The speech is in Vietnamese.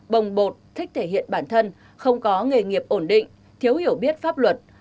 bồng bột thích thể hiện bản thân không có nghề nghiệp ổn định thiếu hiểu biết pháp luật